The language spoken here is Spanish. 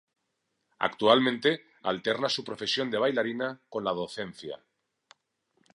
Actualmente alterna su profesión de bailarina con la docencia.